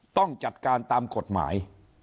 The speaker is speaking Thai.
ต้องจัดการตามกฎหมาย